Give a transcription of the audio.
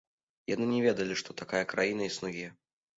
Яны не ведалі, што такая краіна існуе.